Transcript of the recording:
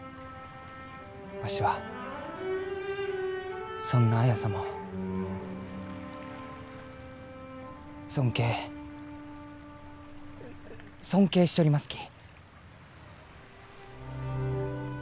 わしはそんな綾様を尊敬尊敬しちょりますき。